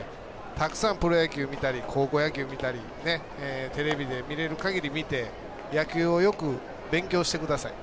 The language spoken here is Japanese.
たくさんプロ野球見たり高校野球を見たりテレビで見れるかぎり見て野球をよく勉強してください。